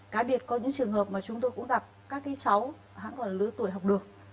cá biệt có những trường hợp mà chúng tôi cũng gặp các cháu hãng còn lứa tuổi học được